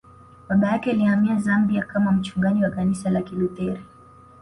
Baba yake alihamia Zambia kama mchungaji wa kanisa la Kilutheri